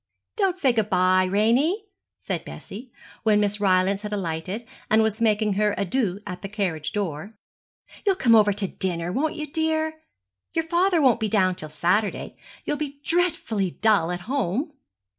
'Don't say good bye, Ranie,' said Bessie, when Miss Rylance had alighted, and was making her adieux at the carriage door; 'you'll come over to dinner, won't you, dear? Your father won't be down till Saturday. You'll be dreadfully dull at home.'